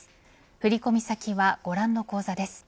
振り込み先はご覧の口座です。